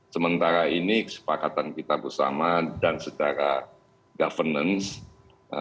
sementara ini kesepakatan kita bersama dan secara governance